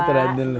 istirahat dulu pak